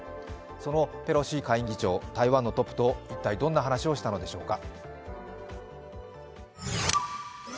そのペロシ下院議長、台湾のトップと一体どんな話をしたんでしょうか。